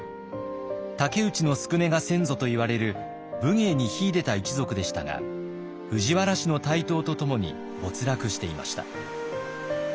武内宿禰が先祖といわれる武芸に秀でた一族でしたが藤原氏の台頭とともに没落していました。